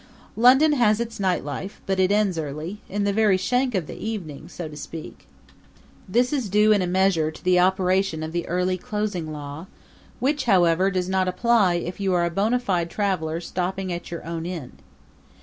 London has its night life, but it ends early in the very shank of the evening, so to speak. This is due in a measure to the operation of the early closing law, which, however, does not apply if you are a bona fide traveler stopping at your own inn.